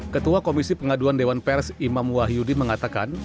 ketua komisi pengaduan dewan pers imam wahyudi mengatakan